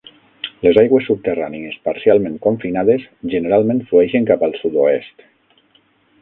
Les aigües subterrànies parcialment confinades generalment flueixen cap al sud-oest.